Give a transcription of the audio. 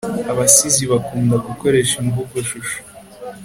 abasizi bakunda gukoresha imvugoshusho